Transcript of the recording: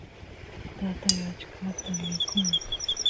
tatay achkata mikun